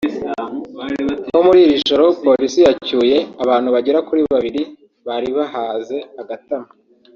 nko muri iri joro Polisi yacyuye abantu bagera kuri babiri bari bahaze agatama